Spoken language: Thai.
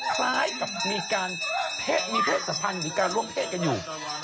คล้ายกับมีการมีเพศสัมพันธ์มีการร่วมเพศกันอยู่